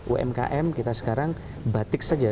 umkm kita sekarang batik saja